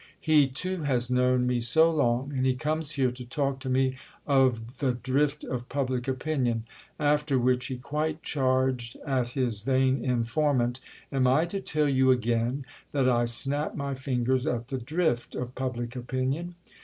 "He too has known me so long, and he comes here to talk to me of 'the drift of public opinion'!" After which he quite charged at his vain informant. "Am I to tell you again that I snap my fingers at the drift of public opinion?